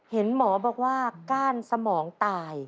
เห็นหมอบอกว่าก้านสมองตาย